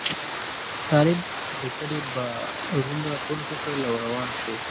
طالب د کډې بارونه پورته کړل او روان شو.